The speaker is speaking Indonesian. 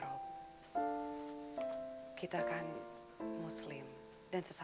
rahim permintaan saya